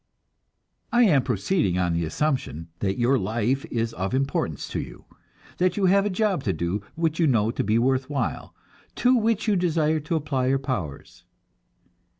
I am proceeding on the assumption that your life is of importance to you; that you have a job to do which you know to be worth while, and to which you desire to apply your powers.